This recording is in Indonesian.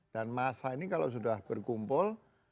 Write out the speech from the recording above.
dan massa ini kalau sudah berkumpul